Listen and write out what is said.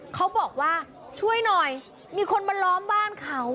เขาบอกว่าช่วยหน่อยมีคนมาล้อมบ้านเขา